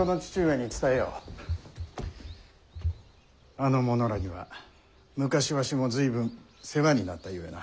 あの者らには昔わしも随分世話になったゆえな。